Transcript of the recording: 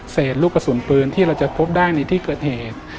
ลูกกระสุนปืนที่เราจะพบได้ในที่เกิดเหตุ